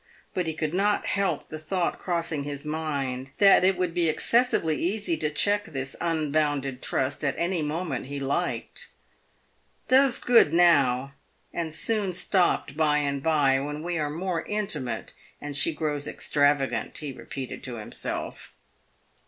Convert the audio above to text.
But he could not help the thought crossing his mind, that it would be excessively easy to check this unbounded trust at any moment he liked. "Does good now, and soon stopt by and by, when we are more intimate, and she grows extravagant," he re peated to himself.